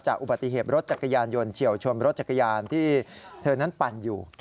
อุบัติเหตุรถจักรยานยนต์เฉียวชนรถจักรยานที่เธอนั้นปั่นอยู่